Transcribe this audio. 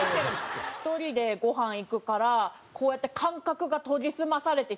１人でごはん行くからこうやって感覚が研ぎ澄まされてきてるんですよね。